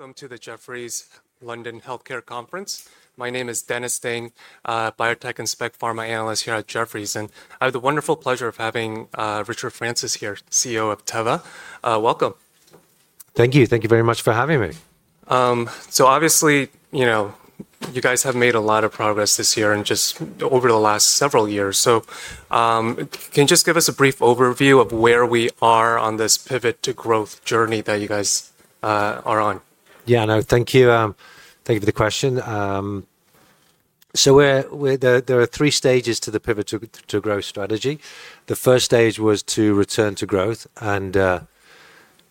Welcome to the Jefferies London Healthcare Conference. My name is Dennis Ding, Biotech and Pharma Analyst here at Jefferies, and I have the wonderful pleasure of having Richard Francis here, CEO of Teva. Welcome. Thank you. Thank you very much for having me. Obviously, you know, you guys have made a lot of progress this year and just over the last several years. Can you just give us a brief overview of where we are on this pivot to growth journey that you guys are on? Yeah, no, thank you. Thank you for the question. There are three stages to the pivot to growth strategy. The first stage was to return to growth, and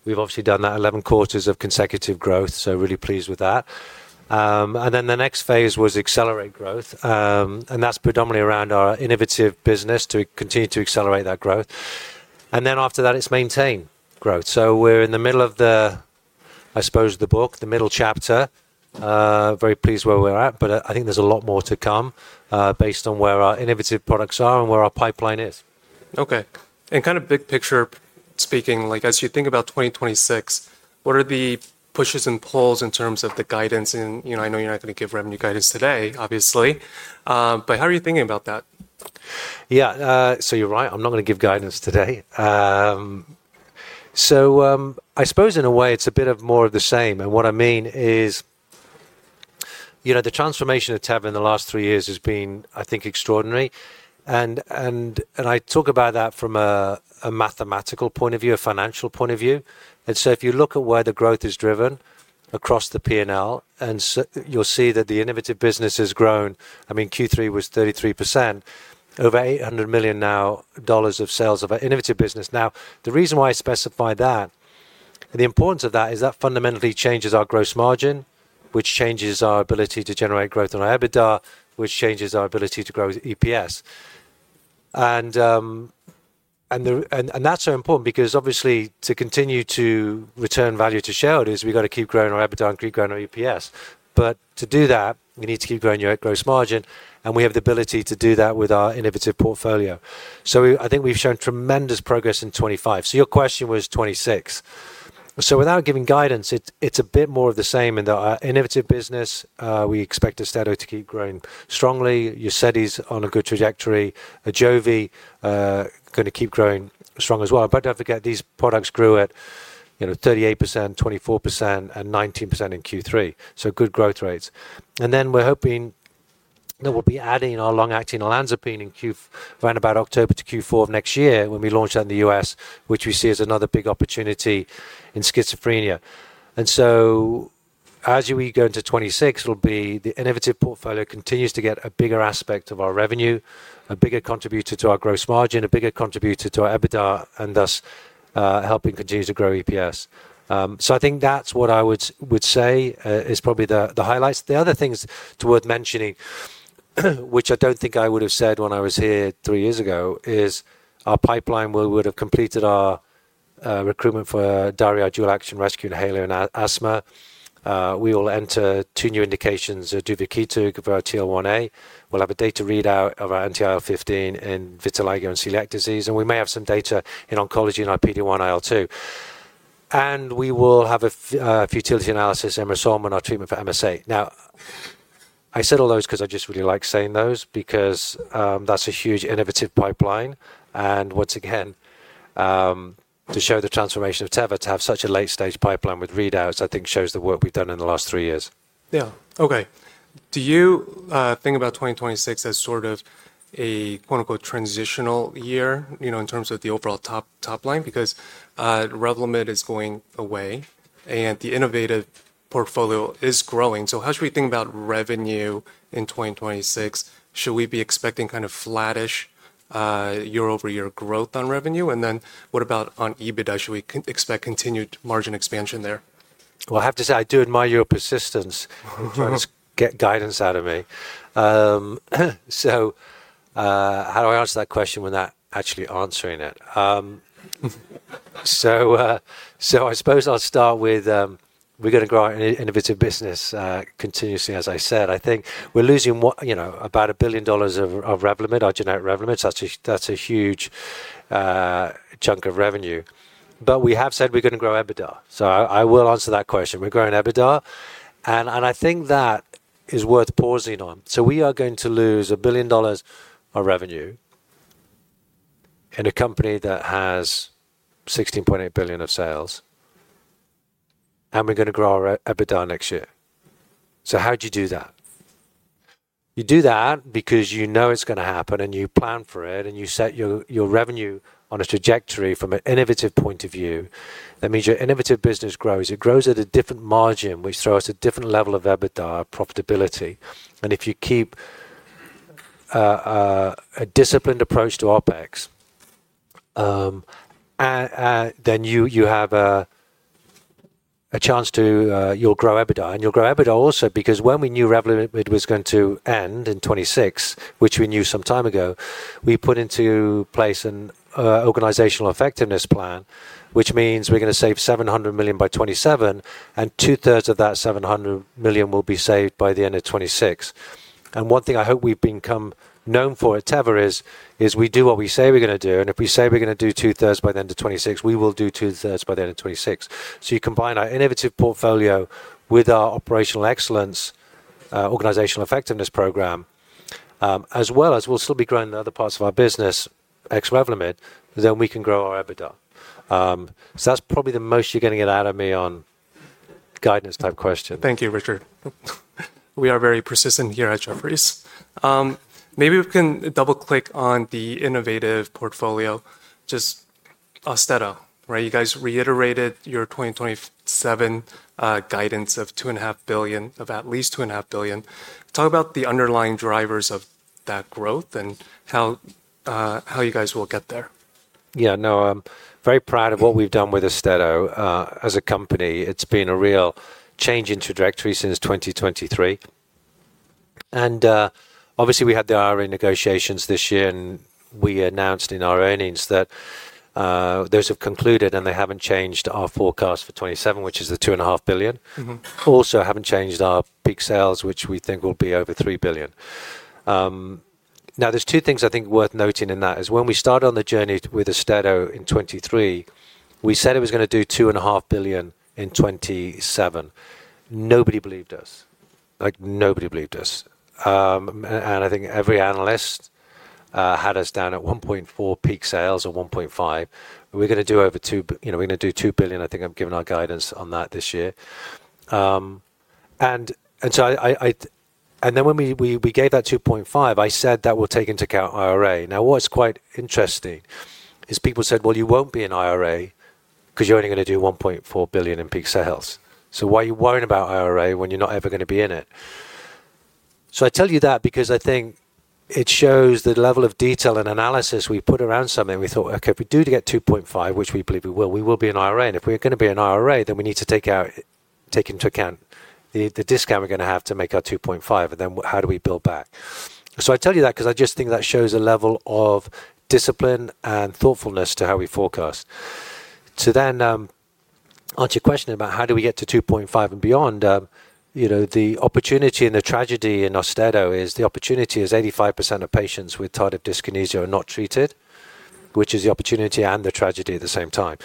we've obviously done that, 11 quarters of consecutive growth, so really pleased with that. The next phase was accelerate growth, and that's predominantly around our innovative business to continue to accelerate that growth. After that, it's maintain growth. We're in the middle of the, I suppose, the book, the middle chapter. Very pleased where we're at, but I think there's a lot more to come based on where our innovative products are and where our pipeline is. Okay. And kind of big picture speaking, like as you think about 2026, what are the pushes and pulls in terms of the guidance? You know, I know you're not going to give revenue guidance today, obviously, but how are you thinking about that? Yeah, so you're right. I'm not going to give guidance today. I suppose in a way, it's a bit of more of the same. What I mean is, you know, the transformation of Teva in the last three years has been, I think, extraordinary. I talk about that from a mathematical point of view, a financial point of view. If you look at where the growth is driven across the P&L, you'll see that the innovative business has grown. I mean, Q3 was 33%, over $800 million now of sales of our innovative business. The reason why I specify that, the importance of that is that fundamentally changes our gross margin, which changes our ability to generate growth in our EBITDA, which changes our ability to grow EPS. That is so important because obviously, to continue to return value to shareholders, we have got to keep growing our EBITDA and keep growing our EPS. To do that, we need to keep growing our gross margin, and we have the ability to do that with our innovative portfolio. I think we have shown tremendous progress in 2025. Your question was 2026. Without giving guidance, it is a bit more of the same in that our innovative business, we expect AUSTEDO to keep growing strongly. UZEDY is on a good trajectory. AJOVY is going to keep growing strong as well. Do not forget, these products grew at, you know, 38%, 24%, and 19% in Q3. Good growth rates. We're hoping that we'll be adding our long-acting olanzapine in Q4, around about October to Q4 of next year when we launch that in the U.S., which we see as another big opportunity in schizophrenia. As we go into 2026, the innovative portfolio continues to get a bigger aspect of our revenue, a bigger contributor to our gross margin, a bigger contributor to our EBITDA, and thus helping continue to grow EPS. I think that's what I would say is probably the highlights. The other things worth mentioning, which I do not think I would have said when I was here three years ago, is our pipeline where we would have completed our recruitment for diarrhea dual action rescue inhaler and asthma. We will enter two new indications, duvakitug for our TL1A. We'll have a data readout of our anti-IL-15 in vitiligo and celiac disease, and we may have some data in oncology in our PD-1 IL-2. We will have a futility analysis, emrusolmin, our treatment for MSA. Now, I said all those because I just really like saying those because that's a huge innovative pipeline. Once again, to show the transformation of Teva to have such a late-stage pipeline with readouts, I think shows the work we've done in the last three years. Yeah. Okay. Do you think about 2026 as sort of a quote-unquote transitional year, you know, in terms of the overall top line? Because Revlimid is going away and the innovative portfolio is growing. How should we think about revenue in 2026? Should we be expecting kind of flattish year-over-year growth on revenue? What about on EBITDA? Should we expect continued margin expansion there? I have to say, I do admire your persistence. Trying to get guidance out of me. How do I answer that question without actually answering it? I suppose I'll start with we're going to grow our innovative business continuously, as I said. I think we're losing, you know, about $1 billion of Revlimid, our generic Revlimid. That's a huge chunk of revenue. We have said we're going to grow EBITDA. I will answer that question. We're growing EBITDA, and I think that is worth pausing on. We are going to lose $1 billion of revenue in a company that has $16.8 billion of sales, and we're going to grow our EBITDA next year. How do you do that? You do that because you know it's going to happen and you plan for it, and you set your revenue on a trajectory from an innovative point of view. That means your innovative business grows. It grows at a different margin, which throws a different level of EBITDA, profitability. If you keep a disciplined approach to OpEx, then you have a chance to, you'll grow EBITDA. You'll grow EBITDA also because when we knew Revlimid was going to end in 2026, which we knew some time ago, we put into place an organizational effectiveness plan, which means we're going to save $700 million by 2027, and 2/3 of that $700 million will be saved by the end of 2026. One thing I hope we've become known for at Teva is we do what we say we're going to do, and if we say we're going to do 2/3 by the end of 2026, we will do 2/3 by the end of 2026. You combine our innovative portfolio with our operational excellence organizational effectiveness program, as well as we'll still be growing the other parts of our business ex-Revlimid, then we can grow our EBITDA. That's probably the most you're going to get out of me on guidance type question. Thank you, Richard. We are very persistent here at Jefferies. Maybe we can double-click on the innovative portfolio, just AUSTEDO, right? You guys reiterated your 2027 guidance of at least $2.5 billion. Talk about the underlying drivers of that growth and how you guys will get there. Yeah, no, I'm very proud of what we've done with AUSTEDO as a company. It's been a real change in trajectory since 2023. Obviously, we had the IRA negotiations this year, and we announced in our earnings that those have concluded, and they haven't changed our forecast for 2027, which is the $2.5 billion. Also, haven't changed our peak sales, which we think will be over $3 billion. Now, there's two things I think worth noting in that is when we started on the journey with AUSTEDO in 2023, we said it was going to do $2.5 billion in 2027. Nobody believed us. Like, nobody believed us. I think every analyst had us down at $1.4 billion peak sales or $1.5 billion. We're going to do over two, you know, we're going to do $2 billion, I think I'm giving our guidance on that this year. And so I, and then when we gave that $2.5 billion, I said that we'll take into account IRA. Now, what's quite interesting is people said, well, you won't be in IRA because you're only going to do $1.4 billion in peak sales. So why are you worrying about IRA when you're not ever going to be in it? So I tell you that because I think it shows the level of detail and analysis we put around something. We thought, okay, if we do get $2.5 billion, which we believe we will, we will be in IRA. If we're going to be in IRA, then we need to take into account the discount we're going to have to make our $2.5 billion, and then how do we build back? I tell you that because I just think that shows a level of discipline and thoughtfulness to how we forecast. To then answer your question about how do we get to $2.5 billion and beyond, you know, the opportunity and the tragedy in AUSTEDO is the opportunity is 85% of patients with tardive dyskinesia are not treated, which is the opportunity and the tragedy at the same time.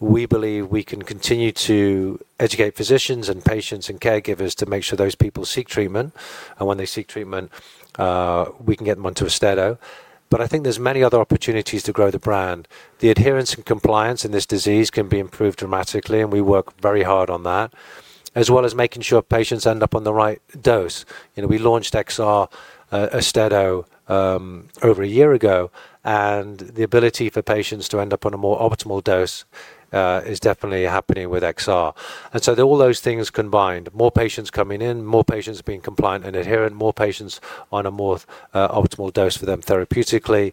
We believe we can continue to educate physicians and patients and caregivers to make sure those people seek treatment, and when they seek treatment, we can get them onto AUSTEDO. I think there's many other opportunities to grow the brand. The adherence and compliance in this disease can be improved dramatically, and we work very hard on that, as well as making sure patients end up on the right dose. You know, we launched AUSTEDO XR over a year ago, and the ability for patients to end up on a more optimal dose is definitely happening with XR. All those things combined, more patients coming in, more patients being compliant and adherent, more patients on a more optimal dose for them therapeutically,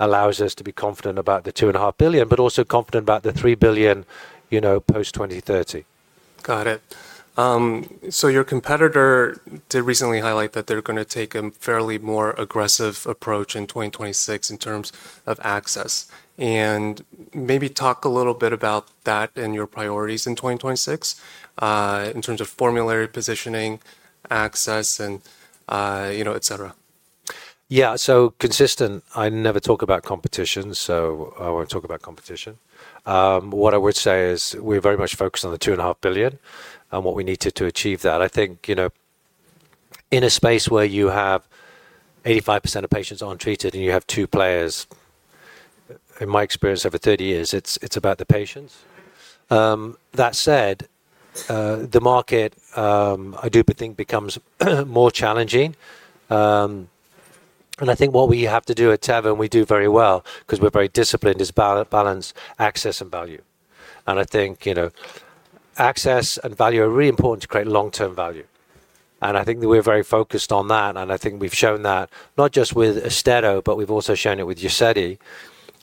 allows us to be confident about the $2.5 billion, but also confident about the $3 billion, you know, post 2030. Got it. Your competitor did recently highlight that they're going to take a fairly more aggressive approach in 2026 in terms of access. Maybe talk a little bit about that and your priorities in 2026 in terms of formulary positioning, access, and, you know, et cetera. Yeah, so consistent, I never talk about competition, so I won't talk about competition. What I would say is we're very much focused on the $2.5 billion and what we need to achieve that. I think, you know, in a space where you have 85% of patients untreated and you have two players, in my experience over 30 years, it's about the patients. That said, the market, I do think becomes more challenging. I think what we have to do at Teva, and we do very well because we're very disciplined, is balance, access, and value. I think, you know, access and value are really important to create long-term value. I think that we're very focused on that, and I think we've shown that not just with AUSTEDO, but we've also shown it with UZEDY.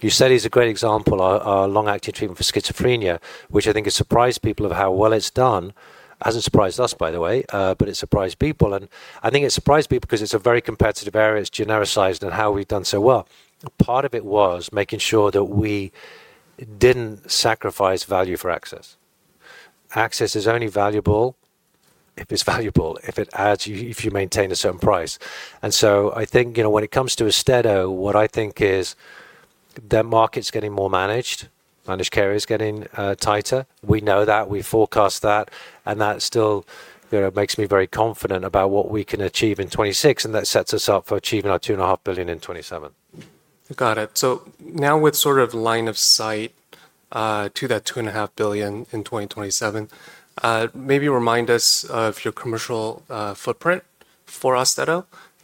UZEDY is a great example, our long-acting treatment for schizophrenia, which I think has surprised people of how well it's done. Hasn't surprised us, by the way, but it surprised people. I think it surprised people because it's a very competitive area. It's genericized and how we've done so well. Part of it was making sure that we didn't sacrifice value for access. Access is only valuable if it's valuable, if it adds, if you maintain a certain price. I think, you know, when it comes to AUSTEDO, what I think is that market's getting more managed, managed carriers getting tighter. We know that, we forecast that, and that still, you know, makes me very confident about what we can achieve in 2026, and that sets us up for achieving our $2.5 billion in 2027. Got it. Now with sort of line of sight to that $2.5 billion in 2027, maybe remind us of your commercial footprint for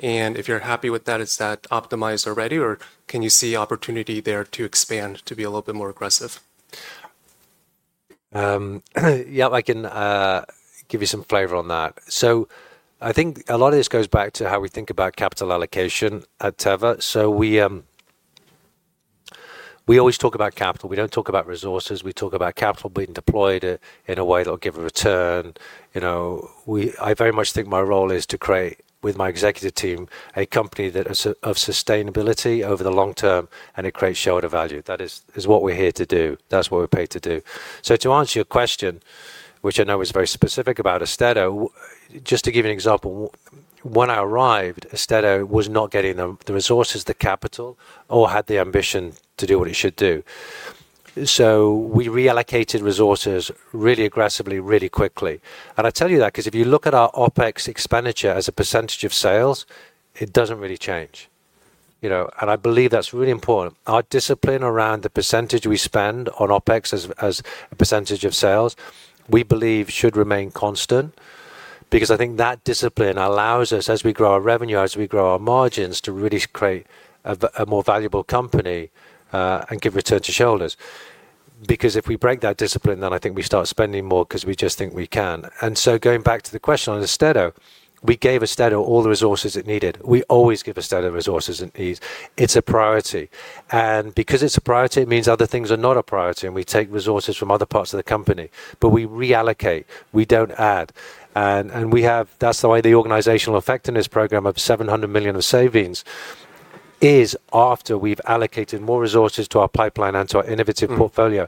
AUSTEDO. If you're happy with that, is that optimized already, or can you see opportunity there to expand, to be a little bit more aggressive? Yeah, I can give you some flavor on that. I think a lot of this goes back to how we think about capital allocation at Teva. We always talk about capital. We do not talk about resources. We talk about capital being deployed in a way that will give a return. You know, I very much think my role is to create, with my executive team, a company that is of sustainability over the long term, and it creates shareholder value. That is what we are here to do. That is what we are paid to do. To answer your question, which I know is very specific about AUSTEDO, just to give you an example, when I arrived, AUSTEDO was not getting the resources, the capital, or had the ambition to do what it should do. We reallocated resources really aggressively, really quickly. I tell you that because if you look at our OpEx expenditure as a percentage of sales, it doesn't really change. You know, and I believe that's really important. Our discipline around the percentage we spend on OpEx as a percentage of sales, we believe should remain constant because I think that discipline allows us, as we grow our revenue, as we grow our margins, to really create a more valuable company and give return to shareholders. Because if we break that discipline, then I think we start spending more because we just think we can. Going back to the question on AUSTEDO, we gave AUSTEDO all the resources it needed. We always give AUSTEDO resources it needs. It's a priority. Because it's a priority, it means other things are not a priority, and we take resources from other parts of the company. We reallocate. We do not add. And we have, that is the way the organizational effectiveness program of $700 million of savings is after we have allocated more resources to our pipeline and to our innovative portfolio.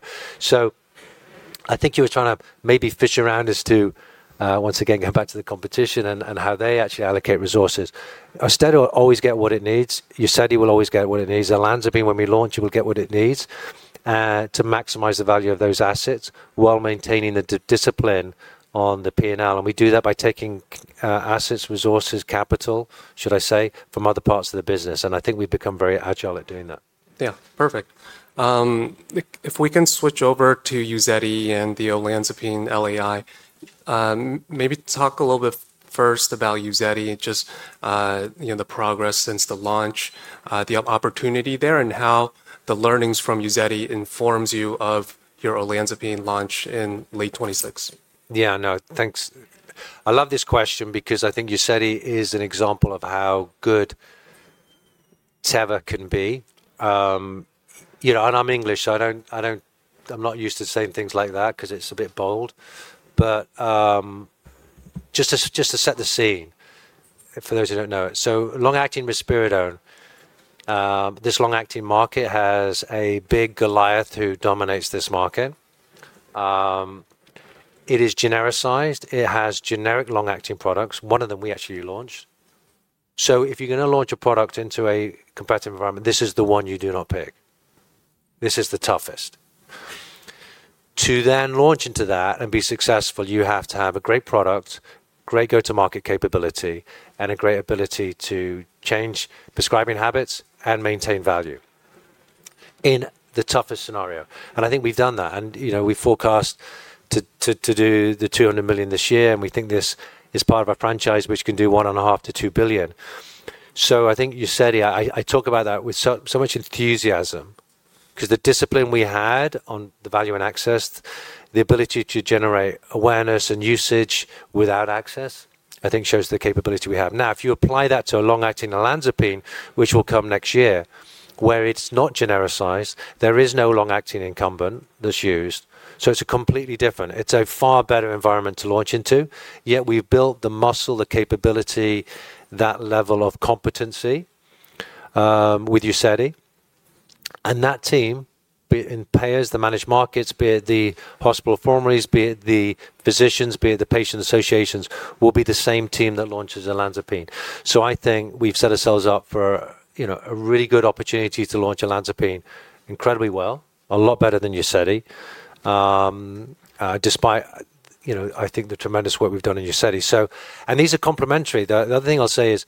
I think you were trying to maybe fish around as to, once again, go back to the competition and how they actually allocate resources. AUSTEDO will always get what it needs. UZEDY will always get what it needs. And olanzapine, when we launch, it will get what it needs to maximize the value of those assets, while maintaining the discipline on the P&L. We do that by taking assets, resources, capital, should I say, from other parts of the business. I think we have become very agile at doing that. Yeah, perfect. If we can switch over to UZEDY and the olanzapine LAI, maybe talk a little bit first about UZEDY, just, you know, the progress since the launch, the opportunity there, and how the learnings from UZEDY informs you of your olanzapine launch in late 2026. Yeah, no, thanks. I love this question because I think UZEDY is an example of how good Teva can be. You know, and I'm English, so I don't, I'm not used to saying things like that because it's a bit bold. Just to set the scene for those who don't know it, so long-acting risperidone, this long-acting market has a big Goliath who dominates this market. It is genericized. It has generic long-acting products. One of them we actually launched. If you're going to launch a product into a competitive environment, this is the one you do not pick. This is the toughest. To then launch into that and be successful, you have to have a great product, great go-to-market capability, and a great ability to change prescribing habits and maintain value in the toughest scenario. I think we've done that. You know, we forecast to do the $200 million this year, and we think this is part of our franchise, which can do $1.5 billion-$2 billion. I think UZEDY, I talk about that with so much enthusiasm because the discipline we had on the value and access, the ability to generate awareness and usage without access, I think shows the capability we have. Now, if you apply that to a long-acting olanzapine, which will come next year, where it is not genericized, there is no long-acting incumbent that is used. It is completely different. It is a far better environment to launch into. Yet we have built the muscle, the capability, that level of competency with UZEDY. That team, be it in payers, the managed markets, be it the hospital formularies, be it the physicians, be it the patient associations, will be the same team that launches olanzapine. I think we've set ourselves up for, you know, a really good opportunity to launch olanzapine incredibly well, a lot better than UZEDY, despite, you know, I think the tremendous work we've done in UZEDY. These are complementary. The other thing I'll say is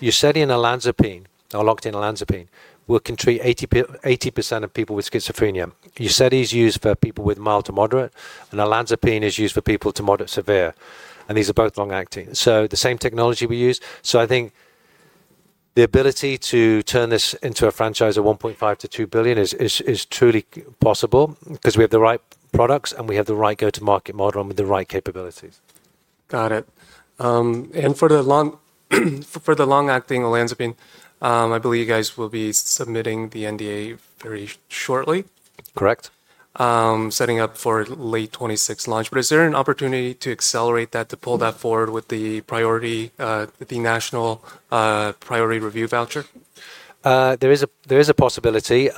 UZEDY and olanzapine, or long-acting olanzapine, will treat 80% of people with schizophrenia. UZEDY is used for people with mild to moderate, and olanzapine is used for people to moderate severe. These are both long-acting. The same technology we use. I think the ability to turn this into a franchise of $1.5 billion-$2 billion is truly possible because we have the right products and we have the right go-to-market model and with the right capabilities. Got it. For the long-acting olanzapine, I believe you guys will be submitting the NDA very shortly. Correct. Setting up for late 2026 launch. Is there an opportunity to accelerate that, to pull that forward with the priority review voucher? There is a possibility.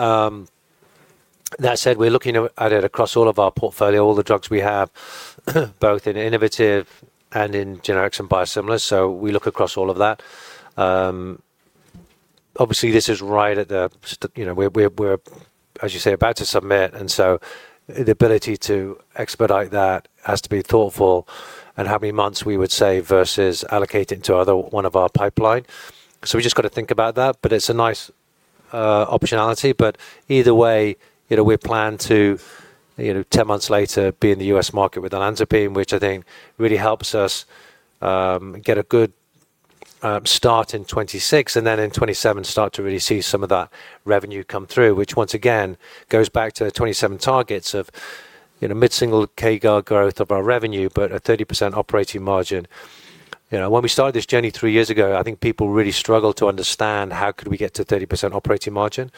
That said, we're looking at it across all of our portfolio, all the drugs we have, both in innovative and in generics and biosimilars. We look across all of that. Obviously, this is right at the, you know, we're, as you say, about to submit. The ability to expedite that has to be thoughtful and how many months we would save versus allocate it to one of our pipelines. We just got to think about that. It is a nice optionality. Either way, you know, we plan to, you know, 10 months later be in the U.S. market with olanzapine, which I think really helps us get a good start in 2026 and then in 2027 start to really see some of that revenue come through, which once again goes back to the 2027 targets of, you know, mid-single KGA growth of our revenue, but a 30% operating margin. You know, when we started this journey three years ago, I think people really struggled to understand how could we get to 30% operating margin.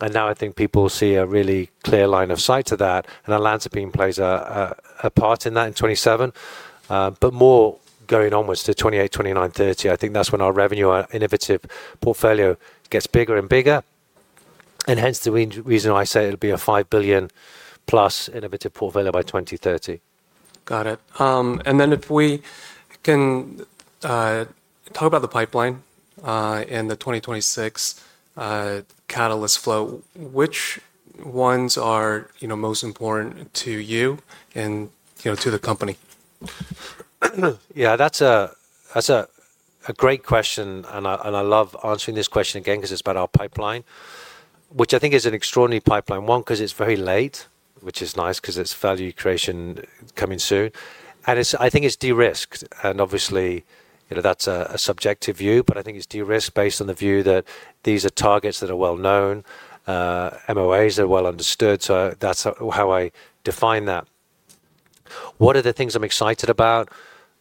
Now I think people see a really clear line of sight to that olanzapine plays a part in that in 2027. More going onwards to 2028, 2029, 2030, I think that is when our revenue, our innovative portfolio gets bigger and bigger. Hence the reason why I say it'll be a $5 billion+ innovative portfolio by 2030. Got it. And then if we can talk about the pipeline and the 2026 catalyst flow, which ones are, you know, most important to you and, you know, to the company? Yeah, that's a great question. I love answering this question again because it's about our pipeline, which I think is an extraordinary pipeline. One, because it's very late, which is nice because it's value creation coming soon. I think it's de-risked. Obviously, you know, that's a subjective view, but I think it's de-risked based on the view that these are targets that are well known, MOAs that are well understood. That's how I define that. What are the things I'm excited about?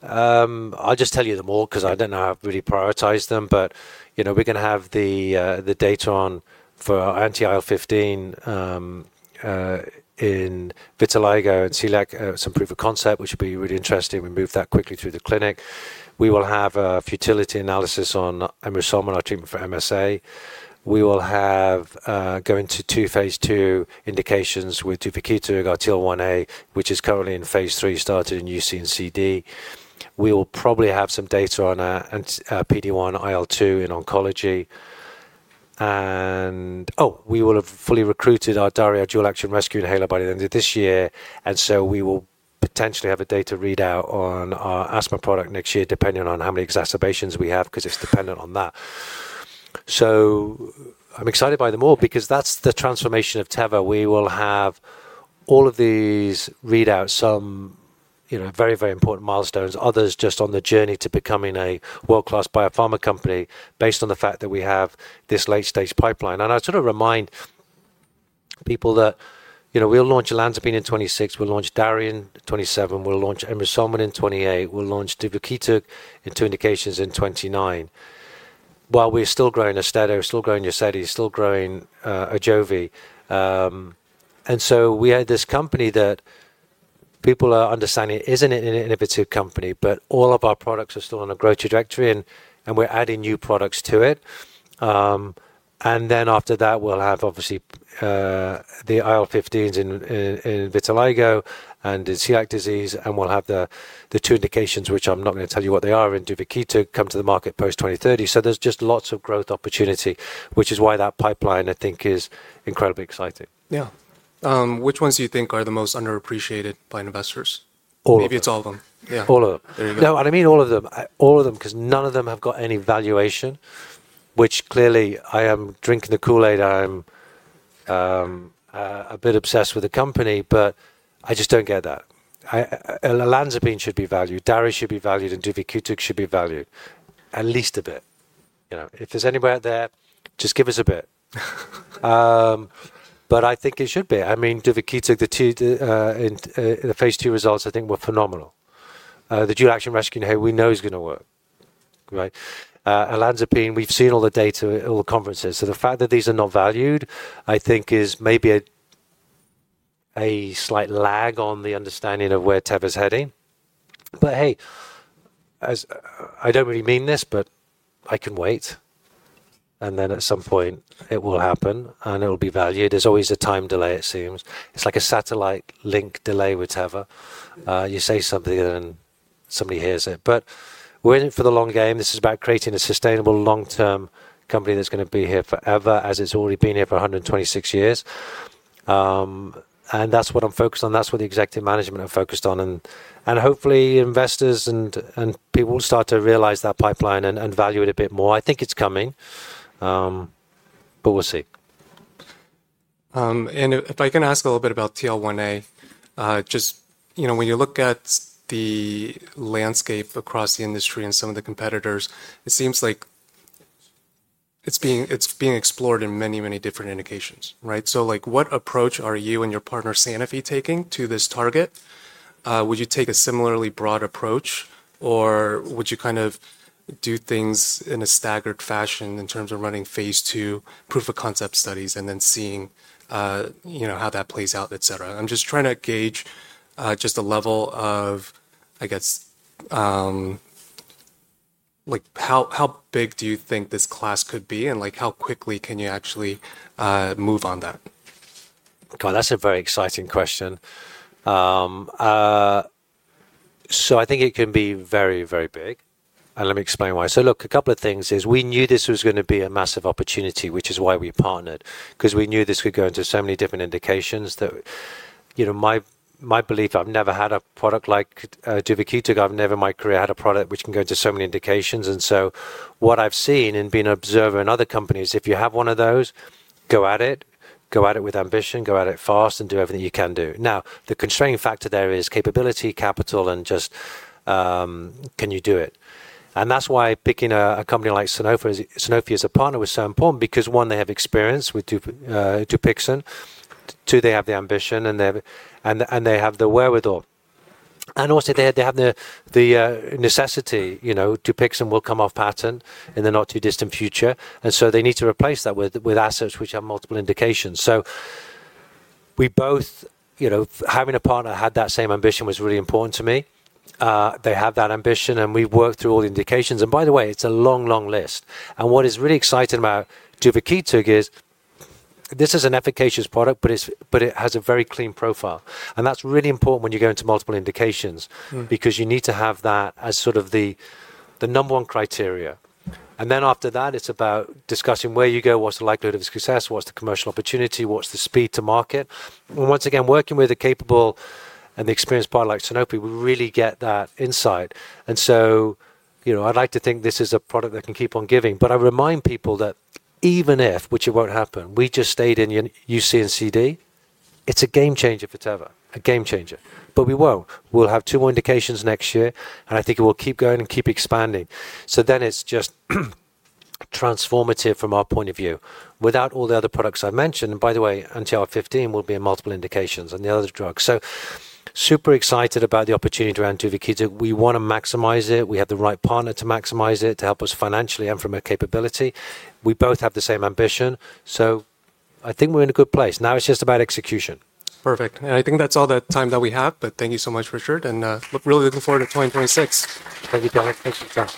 I'll just tell you them all because I don't know how I've really prioritized them. You know, we're going to have the data on for anti-IL-15 in vitiligo and celiac, some proof of concept, which will be really interesting. We moved that quickly through the clinic. We will have a futility analysis on emrusolmin, our treatment for MSA. We will have going to two phase II indications with duvakitug and TL1A, which is currently in phase III, started in UC and CD. We will probably have some data on PD-1 IL-2 in oncology. Oh, we will have fully recruited our diarrhea dual action rescue inhaler by the end of this year. We will potentially have a data readout on our asthma product next year, depending on how many exacerbations we have because it's dependent on that. I'm excited by them all because that's the transformation of Teva. We will have all of these readouts, some, you know, very, very important milestones, others just on the journey to becoming a world-class biopharma company based on the fact that we have this late-stage pipeline. I sort of remind people that, you know, we'll launch olanzapine LAI in 2026, we'll launch DARI in 2027, we'll launch emrusolmin in 2028, we'll launch duvakitug in two indications in 2029. While we're still growing AUSTEDO, we're still growing UZEDY, still growing AJOVY. We have this company that people are understanding is an innovative company, but all of our products are still on a growth trajectory and we're adding new products to it. After that, we'll have obviously the anti-IL-15s in vitiligo and in celiac disease, and we'll have the two indications, which I'm not going to tell you what they are, and duvakitug come to the market post-2030. There is just lots of growth opportunity, which is why that pipeline I think is incredibly exciting. Yeah. Which ones do you think are the most underappreciated by investors? Maybe it's all of them. Yeah. All of them. No, and I mean all of them. All of them, because none of them have got any valuation, which clearly I am drinking the Kool-Aid. I'm a bit obsessed with the company, but I just don't get that. olanzapine should be valued. DARI should be valued and duvakitug should be valued at least a bit. You know, if there's anywhere out there, just give us a bit. I think it should be. I mean, duvakitug, the phase II results I think were phenomenal. The dual action rescue inhaler, we know is going to work. Right? Olanzapine, we've seen all the data at all the conferences. The fact that these are not valued, I think is maybe a slight lag on the understanding of where Teva is heading. Hey, I don't really mean this, but I can wait. At some point, it will happen and it will be valued. There's always a time delay, it seems. It's like a satellite link delay with Teva. You say something and somebody hears it. We're in it for the long game. This is about creating a sustainable long-term company that's going to be here forever, as it's already been here for 126 years. That's what I'm focused on. That's what the executive management are focused on. Hopefully, investors and people will start to realize that pipeline and value it a bit more. I think it's coming, but we'll see. If I can ask a little bit about TL1A, just, you know, when you look at the landscape across the industry and some of the competitors, it seems like it's being explored in many, many different indications, right? Like what approach are you and your partner Sanofi taking to this target? Would you take a similarly broad approach, or would you kind of do things in a staggered fashion in terms of running phase II proof of concept studies and then seeing, you know, how that plays out, etc.? I'm just trying to gauge just a level of, I guess, like how big do you think this class could be and like how quickly can you actually move on that? God, that's a very exciting question. I think it can be very, very big. Let me explain why. Look, a couple of things is we knew this was going to be a massive opportunity, which is why we partnered, because we knew this could go into so many different indications that, you know, my belief, I've never had a product like duvakitug. I've never in my career had a product which can go into so many indications. What I've seen and been an observer in other companies, if you have one of those, go at it, go at it with ambition, go at it fast and do everything you can do. Now, the constraint factor there is capability, capital, and just can you do it? That is why picking a company like Sanofi as a partner was so important, because one, they have experience with DUPIXENT. Two, they have the ambition and they have the wherewithal. Also, they have the necessity, you know, DUPIXENT will come off patent in the not too distant future. They need to replace that with assets which have multiple indications. We both, you know, having a partner had that same ambition was really important to me. They have that ambition and we've worked through all the indications. By the way, it is a long, long list. What is really exciting about duvakitug is this is an efficacious product, but it has a very clean profile. That is really important when you go into multiple indications because you need to have that as sort of the number one criteria. After that, it's about discussing where you go, what's the likelihood of success, what's the commercial opportunity, what's the speed to market. Once again, working with a capable and experienced partner like Sanofi, we really get that insight. You know, I'd like to think this is a product that can keep on giving. I remind people that even if, which it won't happen, we just stayed in UC and CD, it's a game changer for Teva, a game changer. We won't. We'll have two more indications next year, and I think it will keep going and keep expanding. It is just transformative from our point of view without all the other products I mentioned. By the way, anti-IL-15 will be in multiple indications and the other drugs. Super excited about the opportunity around duvakitug. We want to maximize it. We have the right partner to maximize it, to help us financially and from a capability. We both have the same ambition. I think we're in a good place. Now it's just about execution. Perfect. I think that's all the time that we have, but thank you so much, Richard, and really looking forward to 2026. Thank you, Dennis. Thank you.